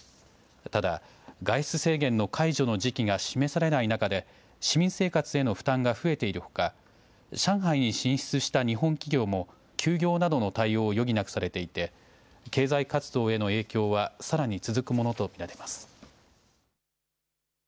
ただ、外出制限の解除の時期が示されない中で市民生活への負担が増えているほか上海に進出した日本企業も休業などの対応を余儀なくされていて経済活動への影響はさらに続くものと見られます。